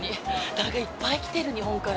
なんかいっぱい来てる、日本から。